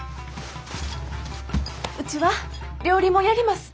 うちは料理もやります！